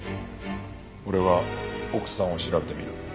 俺は奥さんを調べてみる。